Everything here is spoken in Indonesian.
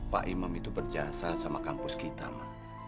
pak imam itu berjasa sama kampus kita mbak